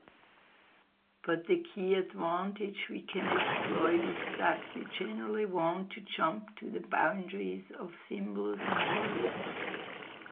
But the key advantage we can exploit is that you generally want to jump to the boundaries of symbols and words.